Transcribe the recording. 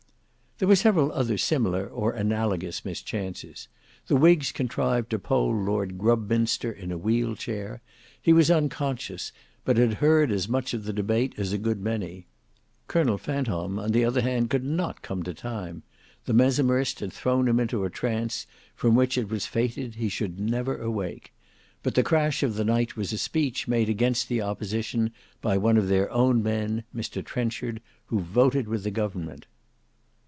There were several other similar or analogous mischances; the whigs contrived to poll Lord Grubminster in a wheeled chair; he was unconscious but had heard as much of the debate as a good many. Colonel Fantomme on the other hand could not come to time; the mesmerist had thrown him into a trance from which it was fated he should never awake: but the crash of the night was a speech made against the opposition by one of their own men, Mr Trenchard, who voted with the government.